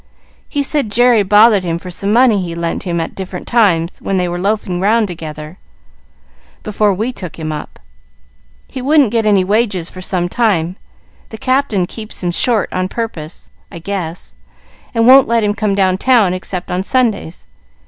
He said Jerry bothered him for some money he lent him at different times when they were loafing round together, before we took him up. He wouldn't get any wages for some time. The Captain keeps him short on purpose, I guess, and won't let him come down town except on Sundays.